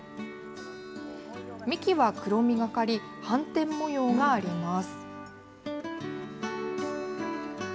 幹は黒みがかり、斑点模様があります。